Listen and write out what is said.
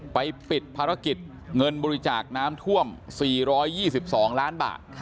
ไปปิดภารกิจเงินบริจาคน้ำท่วม๔๒๒ล้านบาท